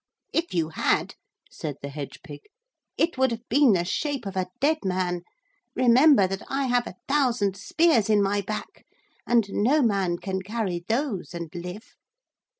'If you had,' said the hedge pig, 'it would have been the shape of a dead man. Remember that I have a thousand spears in my back, and no man can carry those and live.'